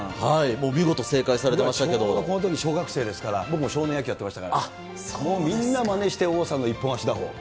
もう見事正解されてましたけちょうどこのとき、小学生ですから、僕も少年野球やってましたから、もうみんなまねして、王さんの一本足打法。